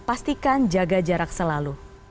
pastikan jaga jarak selalu